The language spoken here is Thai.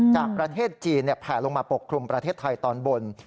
จากประเทศจีนแผลลงมาปกคลุมประเทศไทยตอนบน